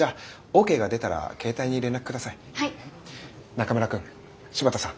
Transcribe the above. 中村くん柴田さん